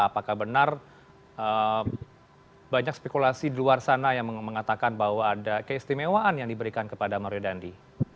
apakah benar banyak spekulasi di luar sana yang mengatakan bahwa ada keistimewaan yang diberikan kepada mario dandi